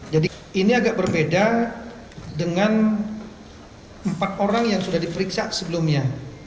jadi ini agak berbeda dengan empat orang yang sudah diperiksa sebelumnya